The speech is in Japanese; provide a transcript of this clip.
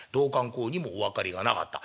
道灌公にもお分かりがなかった。